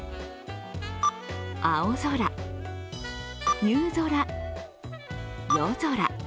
青空、夕空、夜空。